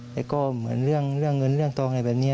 แล้วก็เหมือนเรื่องเงินเรื่องทองอะไรแบบนี้